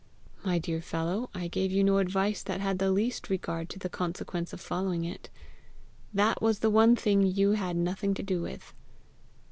"My dear fellow, I gave you no advice that had the least regard to the consequence of following it! That was the one thing you had nothing to do with."